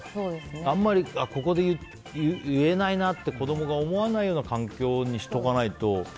あんまりここで言えないなって子供が思わないような環境にしておかないと。